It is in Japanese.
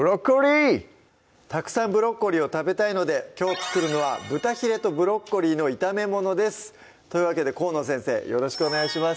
たくさんブロッコリーを食べたいのできょう作るのは「豚ヒレとブロッコリーの炒めもの」ですというわけで河野先生よろしくお願いします